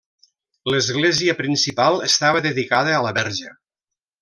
L'església principal estava dedicada a la Verge.